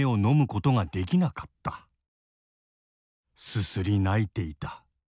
すすり泣いていた。